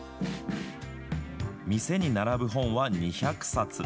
店に並ぶ本は２００冊。